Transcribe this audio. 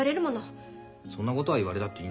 そんなことは言われたっていいんだよ。